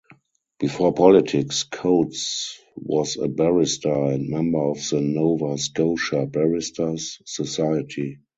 Before politics, Coates was a barrister and member of the Nova Scotia Barristers' Society.